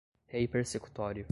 reipersecutório